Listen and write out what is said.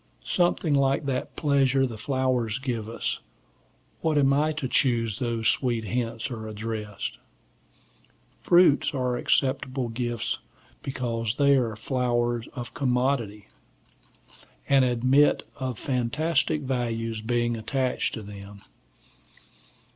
Something like that pleasure the flowers give us: what am I to whom these sweet hints are addressed? Fruits are acceptable gifts because they are the flower of commodities, and admit of fantastic values being attached to them.